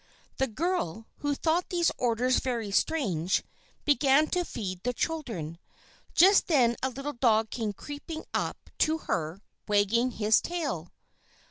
The girl, who thought these orders very strange, began to feed the children. Just then a little dog came creeping up to her, wagging his tail.